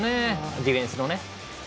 ディフェンスの。